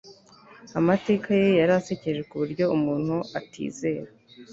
Amateka ye yari asekeje kuburyo umuntu atizera